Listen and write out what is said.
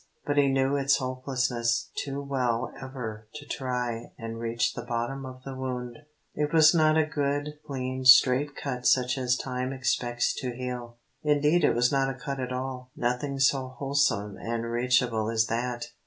But he knew its hopelessness too well ever to try and reach the bottom of the wound. It was not a good, clean, straight cut such as time expects to heal. Indeed it was not a cut at all; nothing so wholesome and reachable as that.